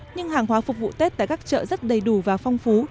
nhưng hàng hóa phục vụ tết tại các chợ rất đầy đủ và phong phú